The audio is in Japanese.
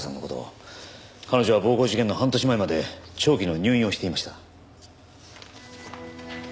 彼女は暴行事件の半年前まで長期の入院をしていました。